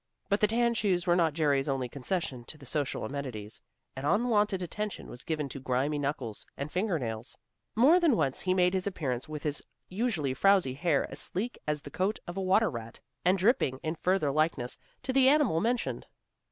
But the tan shoes were not Jerry's only concession to the social amenities. An unwonted attention was given to grimy knuckles and finger nails. More than once he made his appearance with his usually frowsy hair as sleek as the coat of a water rat, and dripping, in further likeness to the animal mentioned.